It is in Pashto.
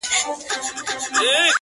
دا راته مه وايه چي تا نه منم دى نه منم؛